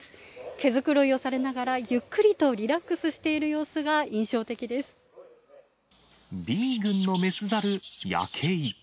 毛繕いをされながら、ゆっくりとリラックスしている様子が印象的Ｂ群の雌ザル、ヤケイ。